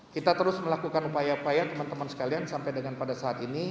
kita terus melakukan upaya upaya teman teman sekalian sampai dengan pada saat ini